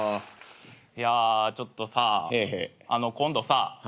いやちょっとさ今度さ